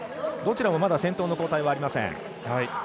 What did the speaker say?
どちらもまだ先頭の交代はありません。